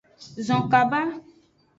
Zon kaba.